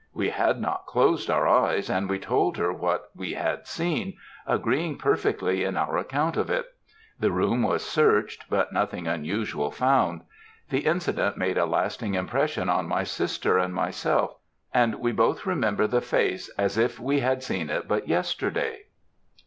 We had not closed our eyes, and we told her what we had seen, agreeing perfectly in our account of it. The room was searched, but nothing unusual found. The incident made a lasting impression on my sister and myself, and we both remember the face as if we had seen it but yesterday."